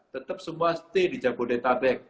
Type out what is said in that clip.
tetap semua stay di jabodetabek